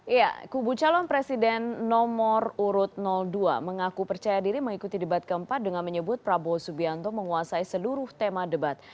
iya kubu calon presiden nomor urut dua mengaku percaya diri mengikuti debat keempat dengan menyebut prabowo subianto menguasai seluruh tema debat